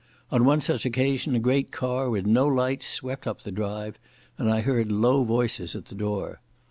On one such occasion a great car with no lights swept up the drive, and I heard low voices at the door.